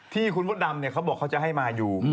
ที่คุณพ่อดำเนี่ยเค้าบอกเค้าจะให้มาอยู่